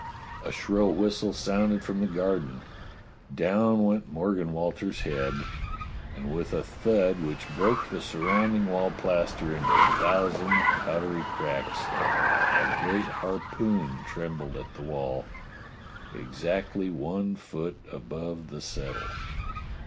A shrill whistle sounded from the garden; down went Morgan Walters's head; and with a thud which broke the surrounding wall plaster into a thousand powdery cracks, a great harpoon trembled in the wall, exactly one foot above the settle.